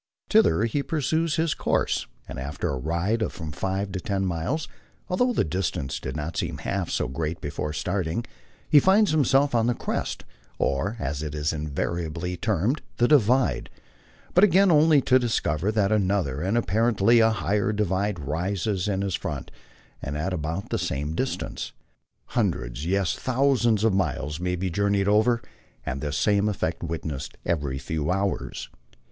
Thither he pursues his course, and after a ride of from five to ten miles, although the distance did not seem half so great before starting, be finds himself on the crest, or, as it is invariably termed, the "divide," but again only to discover that another and apparently a higher divide rises in his front, and at about the same distance. Hundreds, yes, thousands of miles may be journeyed over, and this same effect witnessed every few hours.